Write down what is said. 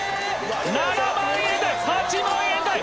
７万円台８万円台！